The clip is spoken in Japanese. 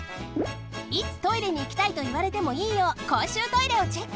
いつ「トイレにいきたい」といわれてもいいようこうしゅうトイレをチェック！